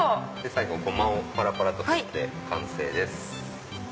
最後ゴマをパラパラと振って完成です。